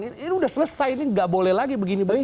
ini sudah selesai ini gak boleh lagi